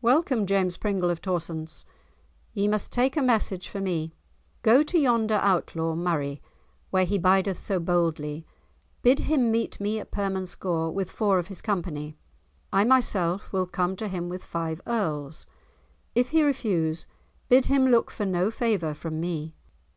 "Welcome, James Pringle of Torsonse, ye must take a message for me; go to yonder Outlaw Murray, where he bideth so boldly; bid him meet me at Permanscore with four of his company, I myself will come to him with five Earls. If he refuse, bid him look for no favour from me.